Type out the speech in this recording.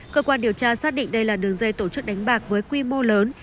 cơ quan điều tra xác định đây là đường dây tổ chức đánh bạc với quy mô lớn